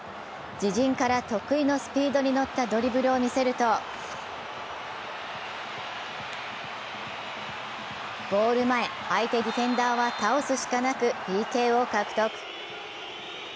自陣から得意のスピードに乗ったドリブルを見せるとゴール前、相手ディフェンダーは倒すしかなくＰＫを獲得。